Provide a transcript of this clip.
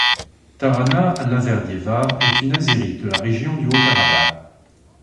Tarana Allahverdieva est une Azérie de la région du Haut-Karabagh.